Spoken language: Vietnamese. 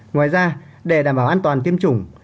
ngoài ra để đảm bảo an toàn tiêm chủng